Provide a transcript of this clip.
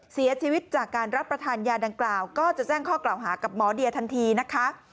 เสียชีวิตจากการรับประทานยาดังกล่าวก็จะแจ้งข้อกล่าวหากับหมอเดียทันทีนะคะ